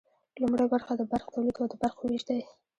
لومړی برخه د برق تولید او د برق ویش دی.